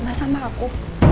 mereka bisa curiga sama aku